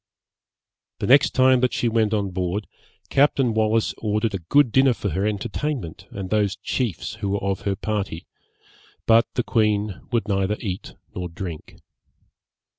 The next time that she went on board, Captain Wallis ordered a good dinner for her entertainment and those chiefs who were of her party; but the queen would neither eat nor drink.